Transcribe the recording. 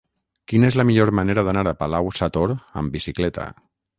Quina és la millor manera d'anar a Palau-sator amb bicicleta?